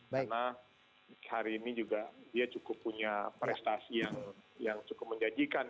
karena hari ini juga dia cukup punya prestasi yang cukup menjanjikan